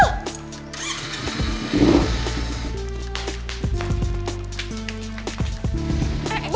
oh ya udah